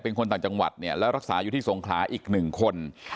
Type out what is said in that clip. เป็นคนต่างจังหวัดเนี่ยแล้วรักษาอยู่ที่สงขลาอีก๑คน